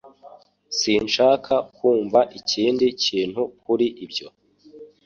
Sinshaka kumva ikindi kintu kuri ibyo